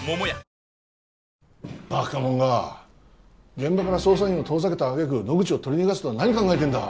現場から捜査員を遠ざけた揚げ句野口を取り逃がすとは何考えてんだ！